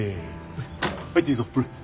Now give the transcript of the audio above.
入っていいぞほら。